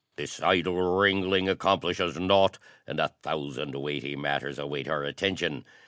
"This idle wrangling accomplishes naught, and a thousand weighty matters await our attention.